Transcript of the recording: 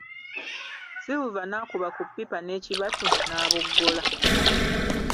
Silver n'akuba ku ppipa n'ekibatu n'aboggola.